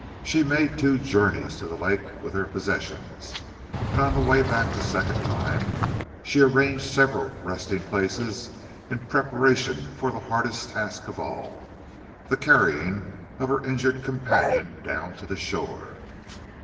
She made two journeys to the lake with their possessions, and on the way back the second time she arranged several resting places in preparation for the hardest task of all the carrying of her injured companion down to the shore.